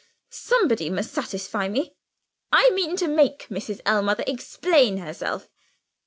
Somebody must satisfy me. I mean to make Mrs. Ellmother explain herself."